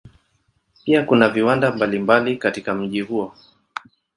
Pia kuna viwanda mbalimbali katika mji huo.